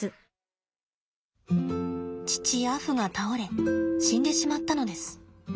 父アフが倒れ死んでしまったのです。